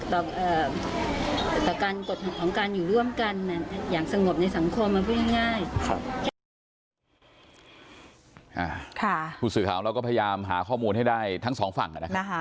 ต่อการกดของการอยู่ร่วมกันอย่างสงบในสังคมมันไม่ง่าย